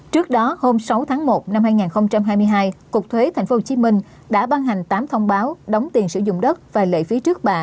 trước đó hôm sáu tháng một năm hai nghìn hai mươi hai cục thuế tp hcm đã ban hành tám thông báo đóng tiền sử dụng đất và lệ phí trước bạ